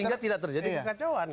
sehingga tidak terjadi kekacauan